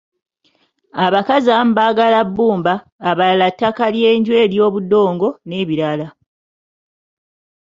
Abakazi abamu baagala bbumba, abalala ttaka ly’enju ery’obudongo n’ebirala.